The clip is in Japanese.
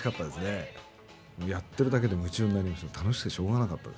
やってるだけで夢中になりました。